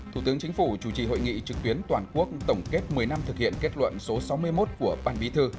thủ tướng chính phủ chủ trì hội nghị trực tuyến toàn quốc tổng kết một mươi năm thực hiện kết luận số sáu mươi một của ban bí thư